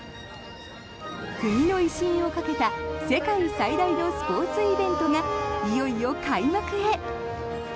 国の威信をかけた世界最大のスポーツイベントがいよいよ開幕へ。